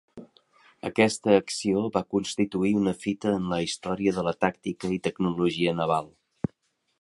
Aquesta acció va constituir una fita en la història de la tàctica i tecnologia naval.